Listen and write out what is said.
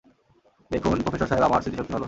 দেখুন প্রফেসর সাহেব, আমার স্মৃতিশক্তি ভালো।